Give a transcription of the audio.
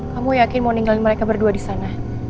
kamu yakin mau ninggalin mereka berdua disana